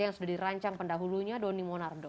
yang sudah dirancang pendahulunya doni monardo